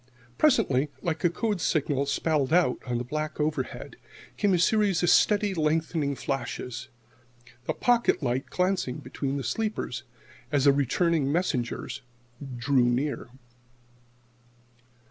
Presently, like a code signal spelled out on the black overhead, came a series of steadily lengthening flashes the pocket light glancing between the sleepers, as the returning messengers drew near.